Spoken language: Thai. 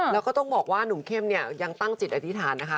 แล้วก็ต้องบอกว่าหนุ่มเข้มเนี่ยยังตั้งจิตอธิษฐานนะคะ